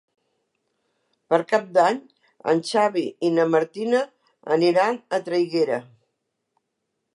Per Cap d'Any en Xavi i na Martina aniran a Traiguera.